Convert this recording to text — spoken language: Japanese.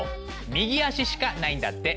右足しかないんだって。